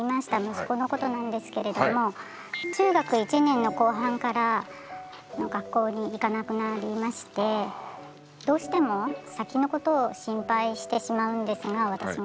息子のことなんですけれども中学１年の後半から学校に行かなくなりましてどうしても先のことを心配してしまうんですが私が。